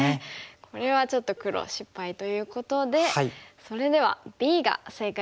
これはちょっと黒失敗ということでそれではＢが正解だったんですね。